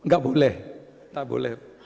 gak boleh gak boleh